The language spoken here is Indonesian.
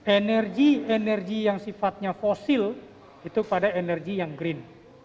energi energi yang sifatnya fosil itu pada energi yang green